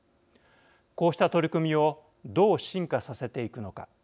こうした取り組みをどう進化させていくのか。